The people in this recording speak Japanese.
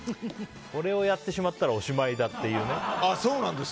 これをやってしまったらおしまいだっていうね。